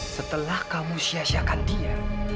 setelah kamu siasakan dia